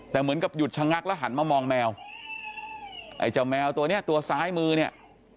แต่เหมือนกับหยุดชะงักแล้วหันมามองแมวไอ้เจ้าแมวตัวเนี้ยตัวซ้ายมือเนี่ย